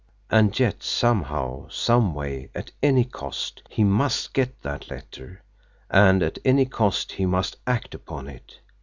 And yet, somehow, some way, at any cost, he must get that letter and at any cost he must act upon it!